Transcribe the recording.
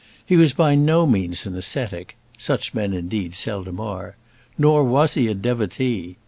He was by no means an ascetic such men, indeed, seldom are nor was he a devotee.